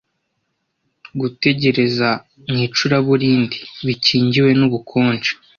Gutegereza mu icuraburindi, bikingiwe n'ubukonje,